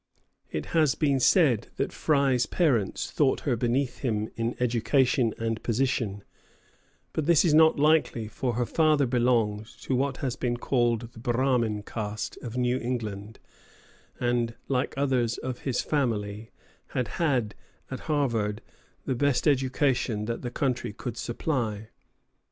It has been said that Frye's parents thought her beneath him in education and position; but this is not likely, for her father belonged to what has been called the "Brahmin caste" of New England, and, like others of his family, had had, at Harvard, the best education that the country could supply.